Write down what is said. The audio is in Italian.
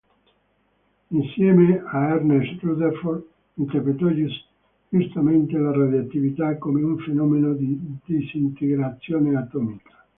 Insieme a Ernest Rutherford, interpretò giustamente la radioattività come un fenomeno di disintegrazione atomica.